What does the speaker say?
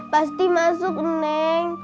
pasti masuk neng